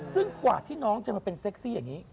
ซึ่งกว่าที่น้องจะมาเป็นเซ็กซี่อย่างนี้